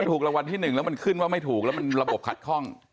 ถูกรางวัลที่๑แล้วมันขึ้นว่าไม่ถูกแล้วมันระบบขัดคล่อง